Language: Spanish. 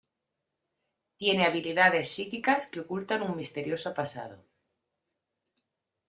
Tiene habilidades psíquicas que ocultan un misterioso pasado.